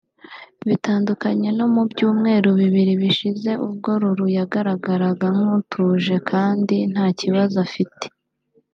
Bitandukanye no mu byumweru bibiri bishize ubwo Lulu yagaragaraga nk’utuje kandi nta kibazo afite